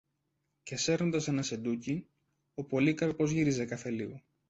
Και, σέρνοντας ένα σεντούκι, ο Πολύκαρπος γύριζε κάθε λίγο